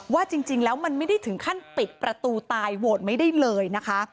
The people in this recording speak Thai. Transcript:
ว่าจริงแล้วมันไม่ได้ถึงขั้นปิดประตูตายโหวตไม่ได้เลยนะคะ